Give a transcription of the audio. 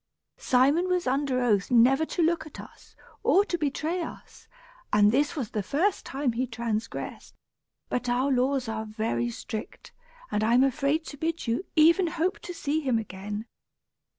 Simon was under oath never to look at us, or to betray us, and this was the first time he transgressed. But our laws are very strict, and I am afraid to bid you even hope to see him again.